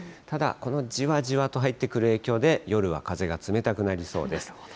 ただ、このじわじわと入ってくる影響で、夜は風が冷たくなりそうです。